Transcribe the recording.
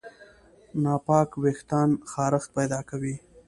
ناپاک وېښتيان خارښت پیدا کوي.